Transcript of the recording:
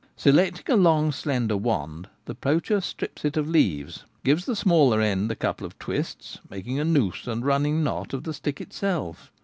Selecting a long slender wand, the poacher strips it of leaves, gives the smaller end a couple of twists, making a noose and running knot of the stick itself.